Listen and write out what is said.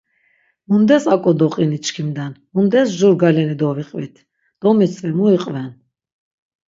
Mundes ak̆o doqini çkimden, mundes jur galeni doviqvit, domitzvi muiqven?